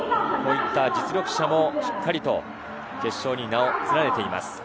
こういった実力者もしっかりと決勝に名を連ねています。